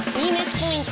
ポイント